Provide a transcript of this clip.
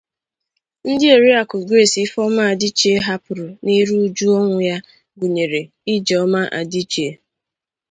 Ndị Oriakụ Grace Ifeoma Adichie hapụrụ ná-érú ụjụ ọnwụ ya gụnyere: Ijeoma Adichie